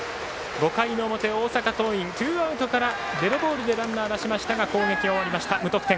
５回の表、大阪桐蔭ツーアウトからデッドボールでランナーを出しましたが攻撃終わりました、無得点。